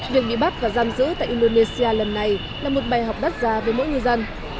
việc bị bắt và giam giữ tại indonesia lần này là một bài học đắt ra với mỗi ngư dân